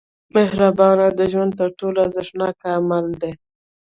• مهرباني د ژوند تر ټولو ارزښتناک عمل دی.